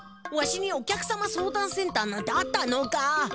わしにお客様相談センターなんてあったのか！